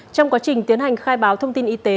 trong quá trình tiến hành khai báo thông tin y tế